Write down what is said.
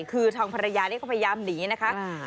คือทางภรรยานี่ก็พยายามหนีนะคะ